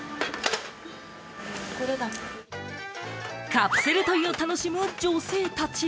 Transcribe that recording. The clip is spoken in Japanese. カプセルトイを楽しむ女性たち。